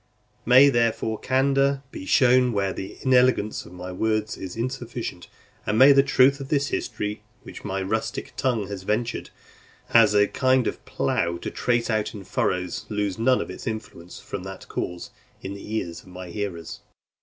May, therefore, candour be shown where the inelegance of my words is insufficient, and may the truth of this history, which my rustic tongue has ventured, as a kind of plough, to trace out in furrows, lose none of its influence from that cause, in the ears of my hearers.